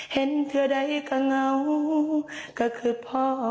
เธอใดก็เหงาก็คือพ่อ